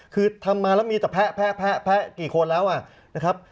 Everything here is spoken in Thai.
คือทำมาแล้วมีแต่แพะแพะแพะแพะกี่คนแล้วอ่ะนะครับ